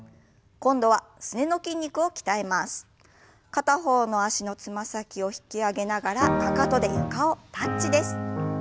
片方の脚のつま先を引き上げながらかかとで床をタッチです。